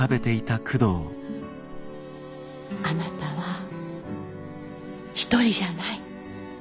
あなたは一人じゃない。